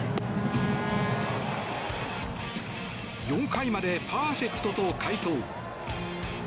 ４回までパーフェクトと快投。